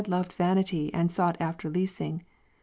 3. loved vanity, and sought after leasing.